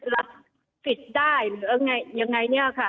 รับสิทธิ์ได้หรือยังไงยังไงนี้ค่ะ